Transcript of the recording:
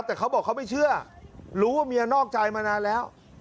แต่เขาบอกเขาไม่เชื่อรู้ว่าเมียนอกใจมานานแล้ว